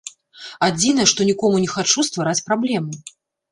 Адзінае, што нікому не хачу ствараць праблему.